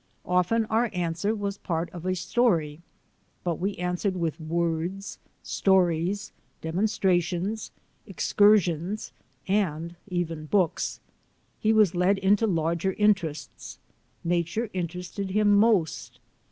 Often our answer was part of a story. But we answered with words, stories, demonstrations, ex cursions, and even books. He was led into larger interests. Nature interested him most.